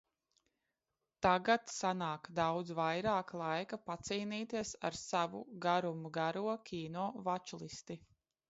Tagad sanāk daudz vairāk laika pacīnīties ar savu garumgaro kino vačlisti.